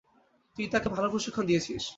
তুই তাকে ভাল প্রশিক্ষণ দিয়েছিস।